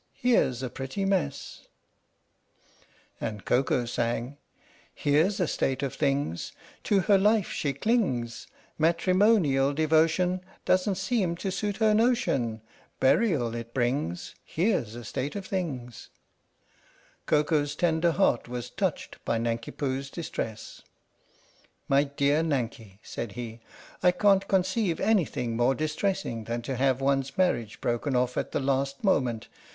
Here 's a pretty mess ! And Koko sang : Here 's a state of things ! To her life she clings : Matrimonial devotion Doesn't seem to suit her notion Burial it brings. Here 's a state of things ! 8 4 THE STORY OF THE MIKADO Koko's tender heart was touched by Nanki Poo's distress. " My dear Nanki," said he, " I can't conceive anything more distressing than to have one's mar riage broken off at the last moment.